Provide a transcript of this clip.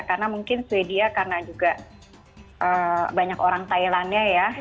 karena mungkin sweden karena juga banyak orang thailandnya ya